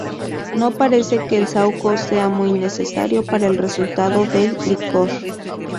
No parece que el saúco sea muy necesario para el resultado del licor.